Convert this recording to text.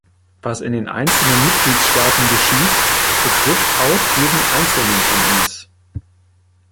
Was in den einzelnen Mitgliedstaaten geschieht, betrifft auch jeden einzelnen von uns.